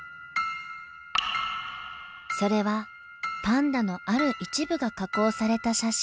それはパンダのある一部が加工された写真。